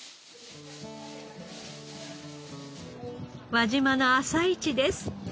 輪島の朝市です。